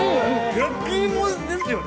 焼き芋ですよね。